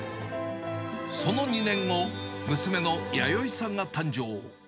その２年後、娘のやよいさんが誕生。